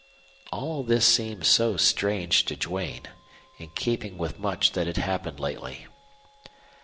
All this seemed so strange to Duane, in keeping with much that had happened lately.